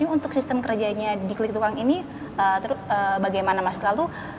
untuk sistem kerjanya di klituang ini bagaimana mas lalu